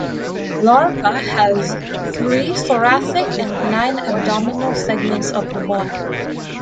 Larva has three thoracic and nine abdominal segments of the body.